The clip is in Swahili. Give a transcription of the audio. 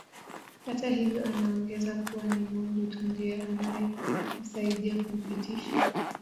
Hata hivyo anaongeza kuwa ni Mungu tu ndiye anayemsaidia kumpitisha